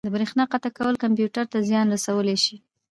د بریښنا قطع کول کمپیوټر ته زیان رسولی شي.